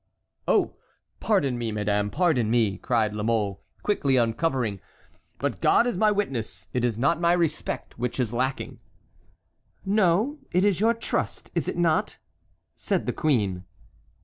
"Oh! pardon me, madame, pardon me!" cried La Mole, quickly uncovering; "but God is my witness, it is not my respect which is lacking." "No, it is your trust, is it not?" said the queen.